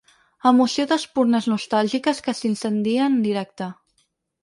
Emoció d’espurnes nostàlgiques que s’incendia en directe.